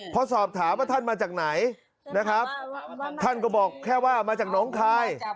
พอสอบถามว่าท่านมาจากไหนนะครับท่านก็บอกแค่ว่ามาจากน้องคาย